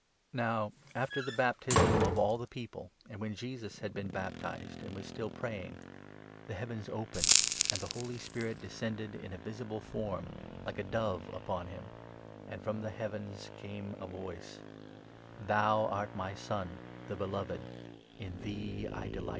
The Now after the baptism of all the people, and 21 Baptism of when Jesus had been baptized and was still pray jesua. ing, tne heavens opened, and the Holy Spirit 22 descended, in a visible form, like a dove, upon him, and from the heavens came a voice — "Thou art my Son, the Beloved ; in thee I delight."